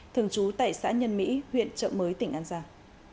thường trú tại xã nhân mỹ huyện trợ mới tỉnh an giang